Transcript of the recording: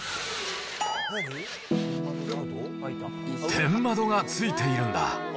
天窓が付いているんだ。